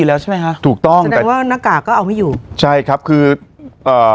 แล้วใช่ไหมคะถูกต้องแต่ว่าหน้ากากก็เอาไม่อยู่ใช่ครับคือเอ่อ